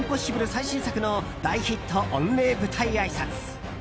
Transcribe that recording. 最新作の大ヒット御礼舞台あいさつ。